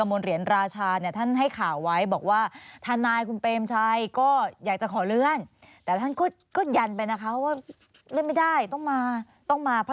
อันนี้ตรวจสอบตำรวจที่เราเคยคุยกันไว้